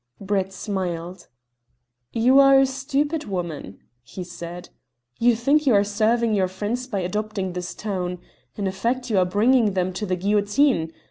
Brett smiled. "You are a stupid woman," he said. "You think you are serving your friends by adopting this tone. In effect you are bringing them to the guillotine.